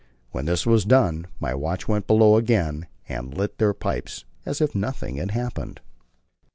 When this was done, my watch went below again and lit their pipes as if nothing had happened.